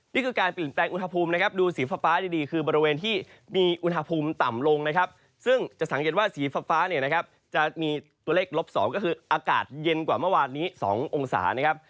นี่คือการเปลี่ยนแปลงอุณหภูมินะครับดูสีฟ้าดีคือบริเวณที่มีอุณหภูมิต่ำลงนะครับซึ่งจะสังเกตว่าสีฟ้าเนี่ยนะครับจะมีตัวเลขลบ๒ก็คืออากาศเย็นกว่าเมื่อวานนี้๒องศานะครับ